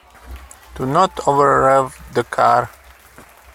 Do not over rev the car.